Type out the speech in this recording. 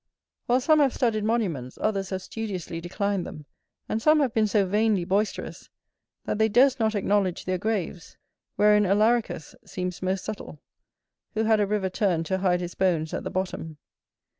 While some have studied monuments, others have studiously declined them, and some have been so vainly boisterous, that they durst not acknowledge their graves; wherein Alaricus seems most subtle, who had a river turned to hide his bones at the bottom.